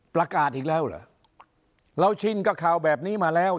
ประกาศอีกแล้วเหรอเราชินกับข่าวแบบนี้มาแล้ว